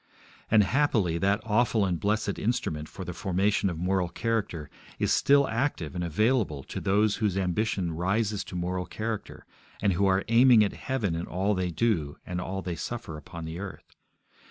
And, happily, that awful and blessed instrument for the formation of moral character is still active and available to those whose ambition rises to moral character, and who are aiming at heaven in all they do and all they suffer upon the earth.